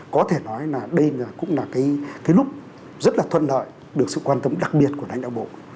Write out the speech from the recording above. có thể nói là đây cũng là cái lúc rất là thuận lợi được sự quan tâm đặc biệt của lãnh đạo bộ